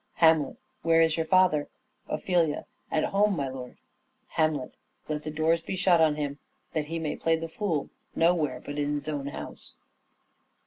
Hamlet. Where is your father ? Ophelia. At home, my lord. Hamlet. Let the doors be shut on him that he may play the fool nowhere but in 's own house.